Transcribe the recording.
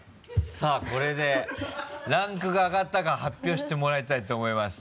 さぁこれでランクが上がったか発表してもらいたいと思います。